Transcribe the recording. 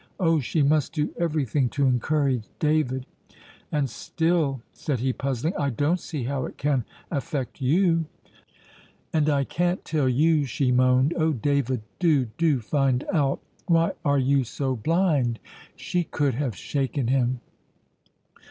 Oh, she must do everything to encourage David. "And still," said he, puzzling, "I don't see how it can affect you." "And I can't tell you," she moaned. "Oh, David, do, do find out. Why are you so blind?" She could have shaken him.